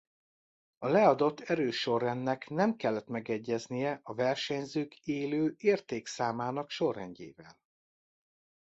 A leadott erősorrendnek nem kellett megegyeznie a versenyzők Élő-értékszámának sorrendjével.